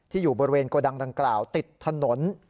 อยู่บริเวณโกดังดังกล่าวติดถนน